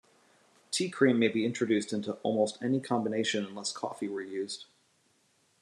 Tea cream may be introduced into almost any combination unless coffee were used.